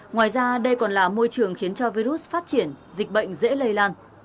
ngoài ra đây còn là môi trường khiến cho virus phát triển dịch bệnh dễ lây lan